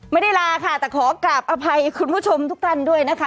ลาค่ะแต่ขอกราบอภัยคุณผู้ชมทุกท่านด้วยนะคะ